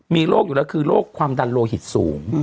มีโรคอยู่แล้วคือโรคความดันโลหิตสูง